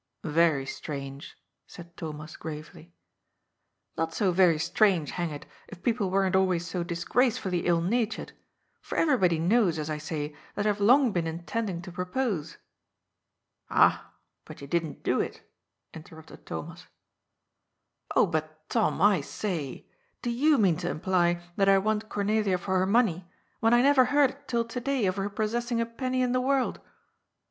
" Very strange," said Thomas gravely. *^ Not so very strange, hang it, if people weren't always so disgracefully ill natured, for everybody knows, as I say, that I have long been intending to propose." " Ah, but you didn't do it," interrupted Thomas. >" Oh, but, Tom, I say : do you mean to imply that I want Cornelia for her money, when I never heard till to day of her possessing a penny in the world